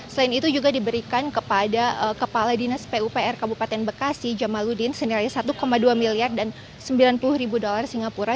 selain itu juga diberikan kepada kepala dinas pupr kabupaten bekasi jamaludin senilai satu dua miliar dan sembilan puluh ribu dolar singapura